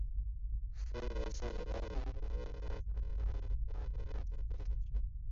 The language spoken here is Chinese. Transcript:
松泉是位于美国亚利桑那州阿帕契县的一个非建制地区。